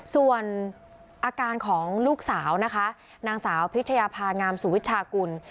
ส่วนอาการของลูกสาวนะคะนางสาวพิชยาภางามสุวิชากุล